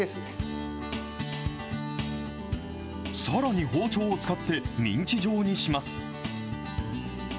さらに包丁を使って、ミンチ状にします。